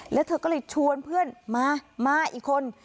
แล้วเธอก็เลยชวนเพื่อนมามาอีกคน